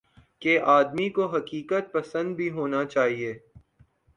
کہ آدمی کو حقیقت پسند بھی ہونا چاہیے۔